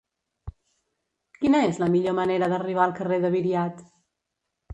Quina és la millor manera d'arribar al carrer de Viriat?